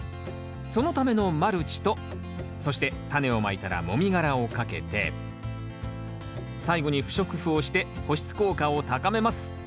そのためのマルチとそしてタネをまいたらもみ殻をかけて最後に不織布をして保湿効果を高めます。